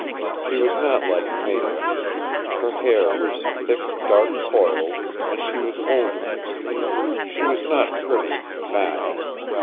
She was not like Nada. Her hair was in thick, dark coils, and she was older. She was not pretty now.